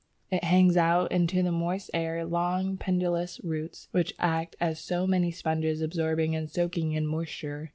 It hangs out into the moist air long pendulous roots which act as so many sponges absorbing and soaking in moisture.